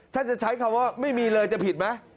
ถ้าจะใช้คำว่าไม่มีเลยจะผิดไหม